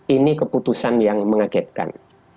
ini keputusan yang mengagetkan